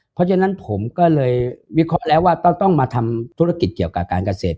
เพราะฉะนั้นผมก็เลยวิเคราะห์แล้วว่าต้องมาทำธุรกิจเกี่ยวกับการเกษตร